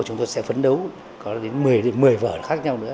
chúng tôi sẽ phấn đấu có đến một mươi vở khác nhau nữa